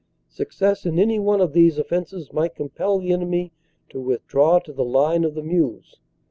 Success in any one of these offensives might compel the enemy to withdraw to the line of the Meuse.